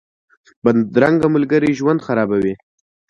بدرنګه ملګري ژوند خرابوي